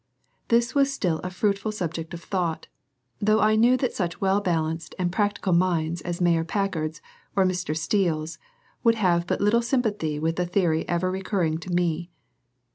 This was still a fruitful subject of thought, though I knew that such well balanced and practical minds as Mayor Packard's or Mr. Steele's would have but little sympathy with the theory ever recurring to me.